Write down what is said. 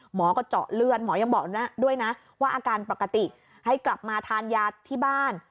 หมอก็เจาะเลือดหมอยังบอกด้วยนะว่าอาการปกติให้กลับมาทานยาที่บ้าน